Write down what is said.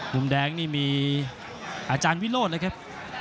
มุมแดงนี่มีอาจารย์วิโรธเลยครับ